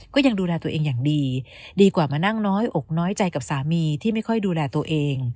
ก็ยังดูแลตัวเองอย่างดีดีกว่ามานั่งน้อยอกน้อยใจกับสามีที่ไม่ค่อยดูแลตัวเอง